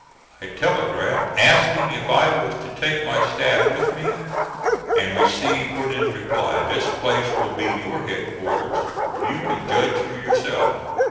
I telegraphed asking if I was to take my staff with me, and received word in reply: "This place will be your headquarters. You can judge for yourself."